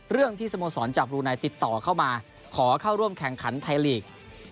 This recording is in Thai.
เรื่องที่สโมสรจากบรูไนติดต่อเข้ามาขอเข้าร่วมแข่งขันไทยลีก